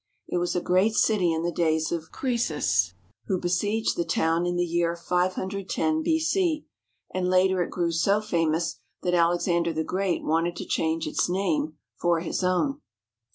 It was a great city in the days of Croesus, who besieged the town in the year 510, b. a; and later it grew so famous that Alexander the Great wanted to change its name for his own.